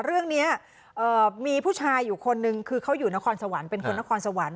เรื่องนี้มีผู้ชายอยู่คนนึงคือเขาอยู่นครสวรรค์เป็นคนนครสวรรค